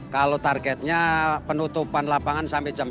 kalau targetnya penutupan lapangan sampai jam dua